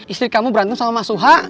istri kamu berantem sama mas suha